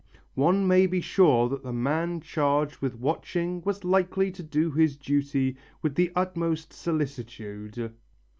One may be sure that the man charged with watching was likely to do his duty with the utmost solicitude.